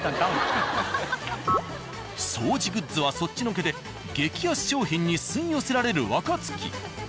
掃除グッズはそっちのけで激安商品に吸い寄せられる若槻。